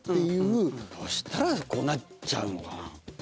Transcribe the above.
そしたらこうなっちゃうのかな？